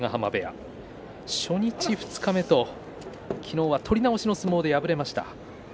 初日、二日目と昨日は取り直しの相撲で敗れています。